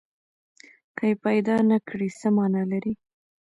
که یې پیدا نه کړي، څه معنی لري؟